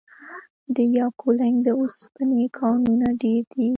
د یکاولنګ د اوسپنې کانونه ډیر دي؟